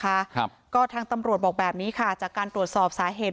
ครับก็ทางตำรวจบอกแบบนี้ค่ะจากการตรวจสอบสาเหตุ